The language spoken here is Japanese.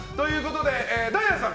ダイアンさん